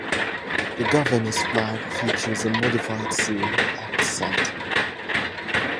The Governor's Flag features a modified seal at its center.